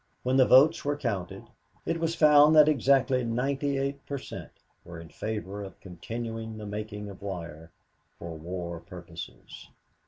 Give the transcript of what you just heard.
When the votes were counted, it was found that exactly ninety eight per cent, were in favor of continuing the making of wire for war purposes.